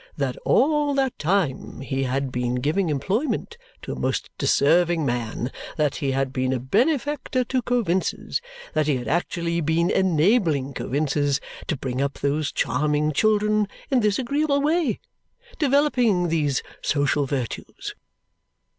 That, all that time, he had been giving employment to a most deserving man, that he had been a benefactor to Coavinses, that he had actually been enabling Coavinses to bring up these charming children in this agreeable way, developing these social virtues!